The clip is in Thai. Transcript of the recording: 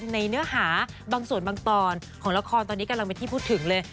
เนื้อหาบางส่วนบางตอนของละครตอนนี้กำลังเป็นที่พูดถึงเลย